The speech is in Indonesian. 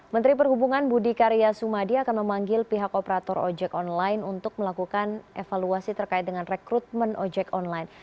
menteri perhubungan budi karya sumadi akan memanggil pihak operator ojek online untuk melakukan evaluasi terkait dengan rekrutmen ojek online